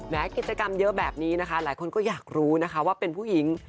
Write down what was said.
กิจกรรมเยอะแบบนี้นะคะหลายคนก็อยากรู้นะคะว่าเป็นผู้หญิง